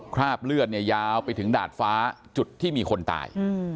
คราบเลือดเนี่ยยาวไปถึงดาดฟ้าจุดที่มีคนตาย